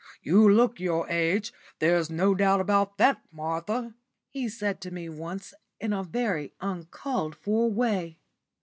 "You look your age; there's no doubt about that, Martha," he said to me once, in a very uncalled for way.